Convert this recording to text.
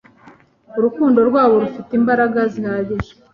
Urukundo rwabo rufite imbaraga zihagije